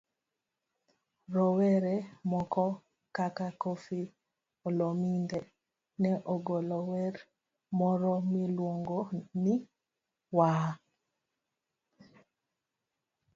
Rowere moko kaka Koffi Olomide ne ogolo wer moro miluongo ni 'Waah!